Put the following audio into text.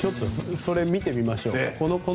それを見てみましょう。